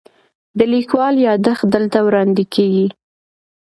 د لیکوال یادښت دلته وړاندې کیږي.